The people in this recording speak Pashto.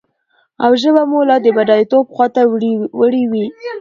او ژبه به مو لا د بډايتوب خواته وړي وي.